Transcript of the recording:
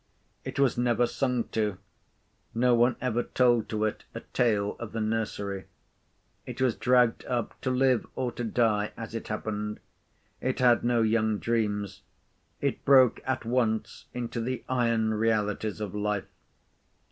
It was never sung to—no one ever told to it a tale of the nursery. It was dragged up, to live or to die as it happened. It had no young dreams. It broke at once into the iron realities of life.